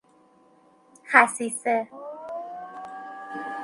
خصیصه